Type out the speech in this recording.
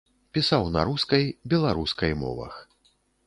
Пісаў на рускай, беларускай мовах.